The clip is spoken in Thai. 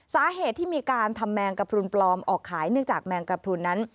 สาเหตุที่มีการทำแมงกระพรุนปลอมออกขายเนื่องจากแมงกระพรุนนั้น